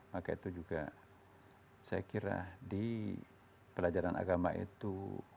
maka itu juga saya kira di pelajaran agama itu